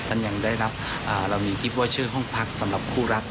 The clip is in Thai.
ท่านยังได้รับเรามีคลิปว่าชื่อห้องพักสำหรับคู่รัก